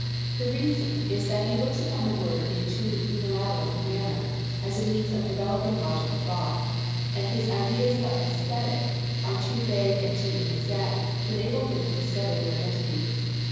The reason is that he looks upon the word in too unilateral a manner, as a means of developing logical thought, and his ideas of Aesthetic are too vague and too inexact to enable him to discover their identity.